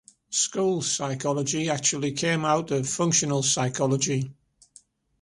School psychology actually came out of functional psychology.